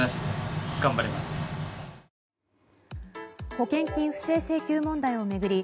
保険金不正請求問題を巡り